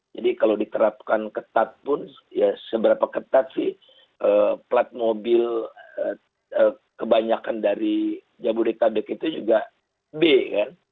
jadi kalau diterapkan ketat pun ya seberapa ketat sih plat mobil kebanyakan dari jabodetabek itu juga b kan